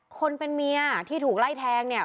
คนเป็นเมียที่ถูกไล่แทงเนี่ย